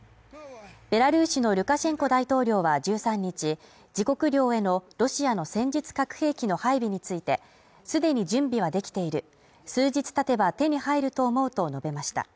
ベラルーシのルカシェンコ大統領は１３日、自国領へのロシアの戦術核兵器の配備について既に準備はできている数日たてば手に入ると思うと述べました。